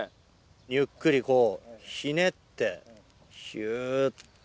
ゆっくりこうひねってひゅっと。